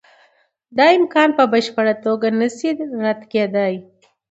دا امکان په بشپړه توګه نشي رد کېدای.